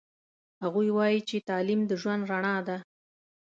هغوی وایي چې تعلیم د ژوند رڼا ده